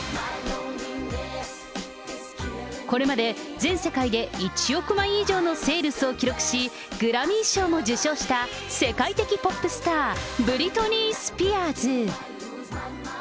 これまで全世界で１億枚以上のセールスを記録し、グラミー賞も受賞した世界的ポップスター、ブリトニー・スピアーズ。